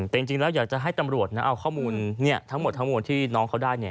แต่จริงแล้วอยากจะให้ตำรวจเอาข้อมูลทั้งหมดที่น้องเขาได้